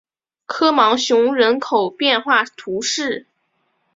科芒雄人口变化图示